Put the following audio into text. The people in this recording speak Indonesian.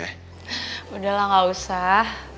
sudahlah tidak usah